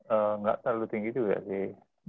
enggak terlalu tinggi juga sih